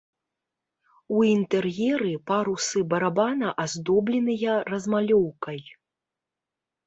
У інтэр'еры парусы барабана аздобленыя размалёўкай.